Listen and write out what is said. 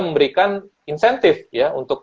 memberikan insentif ya untuk